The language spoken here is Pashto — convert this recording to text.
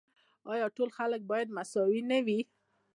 آیا ټول خلک باید مساوي نه وي؟